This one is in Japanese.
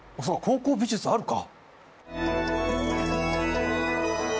そうだ高校美術あるか。